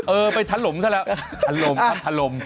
เออไปถลมซะแล้วถลมครับถลม